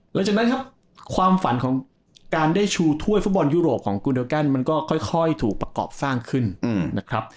หลังจากนั้นครับความฝันของการได้ชูถ้วยฟุตบอลยุโรปของกูเดอร์แกนมันก็ค่อยถูกประกอบสร้างขึ้นนะครับ